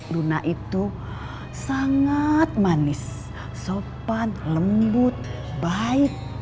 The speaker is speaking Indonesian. luna itu sangat manis sopan lembut baik